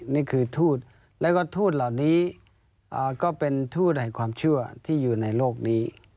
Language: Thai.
นี่คือทูตแล้วก็ทูตเหล่านี้ก็เป็นทูตแห่งความชั่วที่อยู่ในโลกนี้